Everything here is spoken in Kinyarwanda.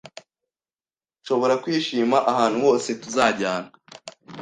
Nshobora kwishima ahantu hose tuzajyana